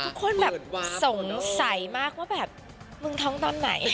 ทุกคนแบบสงสัยมากว่าแบบมึงท้องตอนไหน